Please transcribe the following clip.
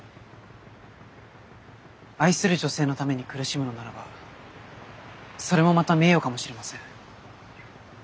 愛する女性のために苦しむのならばそれもまた名誉かもしれません。